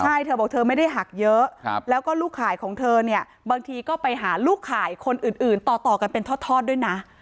ใช่เธอบอกเธอไม่ได้หักเยอะแล้วก็ลูกขายของเธอเนี่ยบางทีก็ไปหาลูกข่ายคนอื่นต่อกันเป็นทอดด้วยนะ